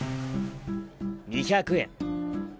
２００円。